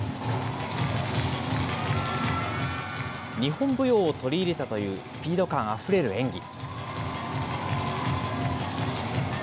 日本舞踊を取り入れたというスピード感あふれる演技。